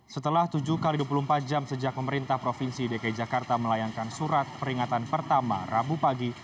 setelah tujuh x dua puluh empat jam sejak pemerintah provinsi dki jakarta melayangkan surat peringatan pertama rabu pagi